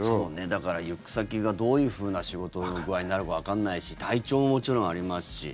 だから、行く先がどういうふうな仕事具合になるかわからないし体調ももちろんありますし。